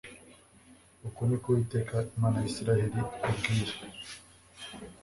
Uku ni ko Uwiteka Imana ya Isirayeli ikubwira